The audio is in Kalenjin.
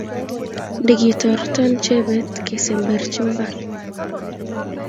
Ndigitireton Chebet kesemberji imbar